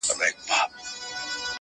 مړ به دي کړې داسې مه کوه,